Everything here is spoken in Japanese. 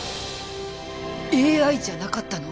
ＡＩじゃなかったの。は？